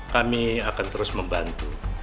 kami akan terus membantu